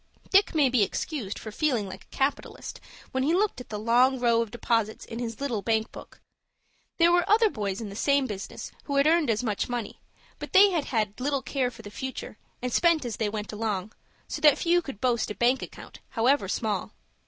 Dick may be excused for feeling like a capitalist when he looked at the long row of deposits in his little bank book. There were other boys in the same business who had earned as much money, but they had had little care for the future, and spent as they went along, so that few could boast a bank account, however small.